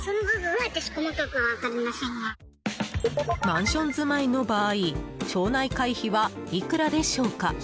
マンション住まいの場合町内会費はいくらでしょうか。